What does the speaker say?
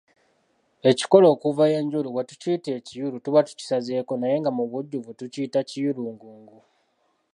Ekikolo okuva enjulu bwe tukiyita ekiyulu tuba tukisazeeko naye nga mu bujjuvu tukiyita Kiyulugungu.